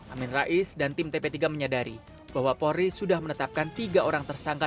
amin rais dan tim tp tiga menyadari bahwa polri sudah menetapkan tiga orang tersangka